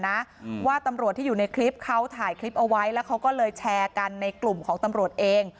อืมว่าตำรวจที่อยู่ในคลิปเขาถ่ายคลิปเอาไว้แล้วเขาก็เลยแชร์กันในกลุ่มของตำรวจเอง